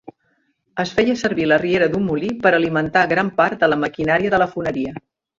Es feia servir la riera d'un molí per alimentar gran part de la maquinària de la foneria.